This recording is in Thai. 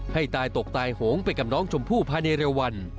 ให้ตายตกตายโหงไปกับน้องชมพู่ภายในเร็ววัน